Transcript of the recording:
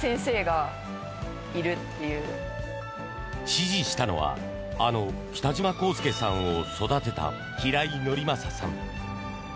師事したのはあの北島康介さんを育てた平井伯昌さん。